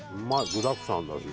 具だくさんだし。